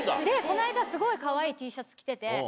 この間すごいかわいいＴシャツ着てて。